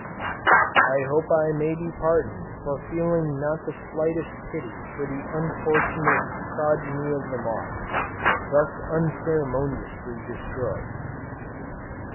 I hope I may be pardoned for feeling not the slightest pity for the unfortunate progeny of the moth, thus unceremoniously destroyed.